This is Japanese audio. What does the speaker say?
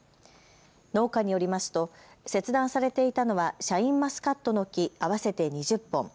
農家によりますと切断されていたのはシャインマスカットの木合わせて２０本。